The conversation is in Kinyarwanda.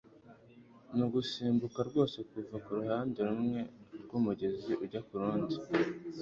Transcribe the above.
ni ugusimbuka rwose kuva kuruhande rumwe rw'umugezi ujya kurundi